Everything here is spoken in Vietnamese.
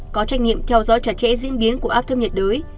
có trách nhiệm theo dõi chặt chẽ diễn biến của áp thấp nhiệt đới